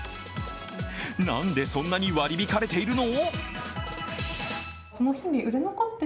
なんでそんなに割り引かれているの？